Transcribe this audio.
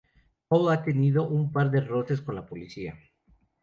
Cole ha tenido un par de roces con la policía.